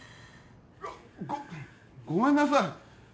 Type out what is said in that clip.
ごっごごめんなさい